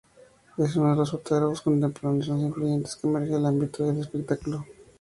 Es uno de los fotógrafos contemporáneos más influyentes que emerge del ámbito del espectáculo.